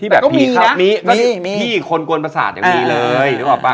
ที่แบบมีนะมีมีมีมีคนกวนประสาทอย่างนี้เลยนึกออกป่ะ